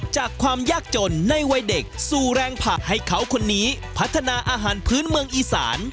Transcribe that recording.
ความยากจนในวัยเด็กสู่แรงผักให้เขาคนนี้พัฒนาอาหารพื้นเมืองอีสาน